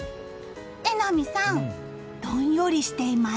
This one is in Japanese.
榎並さん、どんよりしています。